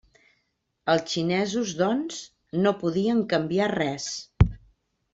Els xinesos, doncs, no podien canviar res.